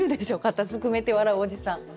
肩すくめて笑うおじさん。